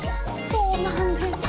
そうなんです。